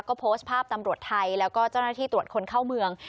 ก็โพสต์ภาพตำรวจไทยแล้วก็เจ้าหน้าที่ตรวจคนเข้าเมือง